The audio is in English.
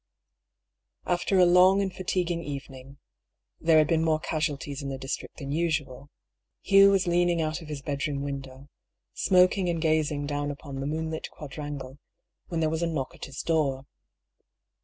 After a long and fatiguing evening — there had been more casualties in the district than usual — Hugh was leaning out of his bedroom window, smoking and gazing down upon the moonlit quadrangle, when there was a knock at his door.